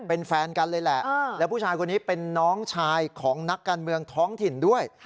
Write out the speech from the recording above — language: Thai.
เป็นแฟนกันเลยแหละแล้วผู้ชายคนนี้เป็นน้องชายของนักการเมืองท้องถิ่นด้วย